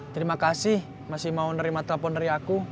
terima kasih masih mau nerima telepon dari aku